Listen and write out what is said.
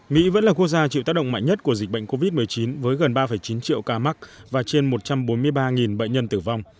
mỹ vẫn là quốc gia chịu tác động mạnh nhất của dịch bệnh covid một mươi chín với gần ba chín triệu ca mắc và trên một trăm bốn mươi ba bệnh nhân tử vong